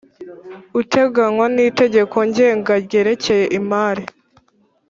uteganywa n’Itegeko Ngenga ryerekeye imari.